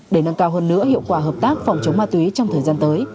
để nâng cao hơn nữa hiệu quả hợp tác phòng chống ma túy trong thời gian tới